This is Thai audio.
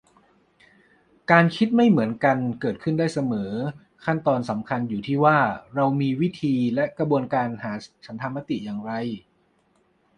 การคิดไม่เหมือนกันเกิดขึ้นได้เสมอ ขั้นตอนสำคัญอยู่ที่ว่า เรามีวิธีและกระบวนการหาฉันทามติอย่างไร